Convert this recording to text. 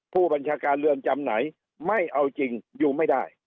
ผู้บัญชาการเรือนจำไหนไม่เอาจริงอยู่ไม่ได้